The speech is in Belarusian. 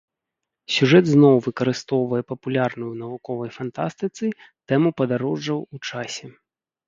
Сюжэт зноў выкарыстоўвае папулярную ў навуковай фантастыцы тэму падарожжаў у часе.